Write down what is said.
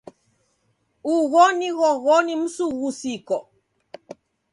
Ugho ni ghoghoni msughusiko.